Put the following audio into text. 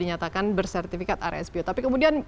dinyatakan bersertifikat rspo tapi kemudian